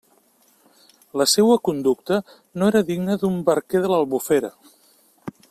La seua conducta no era digna d'un barquer de l'Albufera.